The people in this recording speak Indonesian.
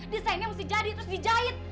desainnya mesti jadi terus dijahit